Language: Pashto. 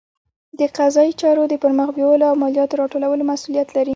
د قضایي چارو د پرمخ بیولو او مالیاتو راټولولو مسوولیت لري.